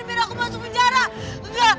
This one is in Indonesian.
biar aku masuk penjara